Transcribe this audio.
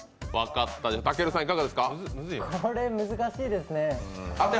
これ難しいですね。